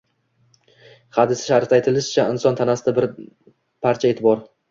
Hadisi sharifda aytilishicha, inson tanasida bir parcha et bor.